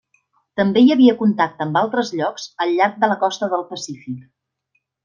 També hi havia contacte amb altres llocs al llarg de la costa del Pacífic.